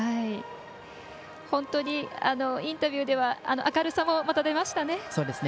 本当に、インタビューでは明るさも、また出ましたね。